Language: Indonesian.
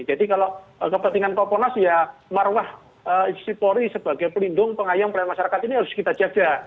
jadi kalau kepentingan koponas ya maruah institusi polri sebagai pelindung pengayang peran masyarakat ini harus kita jaga